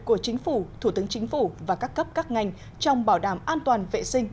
của chính phủ thủ tướng chính phủ và các cấp các ngành trong bảo đảm an toàn vệ sinh